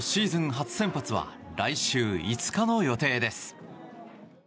初先発は来週５日の予定です。